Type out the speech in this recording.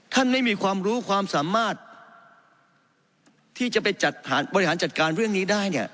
ไม่มีความรู้ความสามารถที่จะไปจัดบริหารจัดการเรื่องนี้ได้เนี่ย